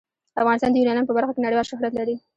افغانستان د یورانیم په برخه کې نړیوال شهرت لري.